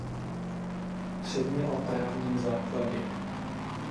Předně o právním základě.